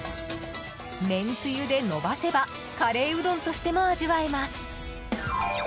めんつゆで伸ばせばカレーうどんとしても味わえます。